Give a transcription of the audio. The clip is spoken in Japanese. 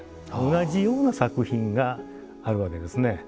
同じような作品があるわけですね。